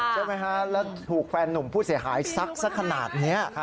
ใช่ไหมฮะแล้วถูกแฟนหนุ่มผู้เสียหายซักสักขนาดนี้